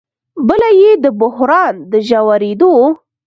بله یې د بحران د ژورېدو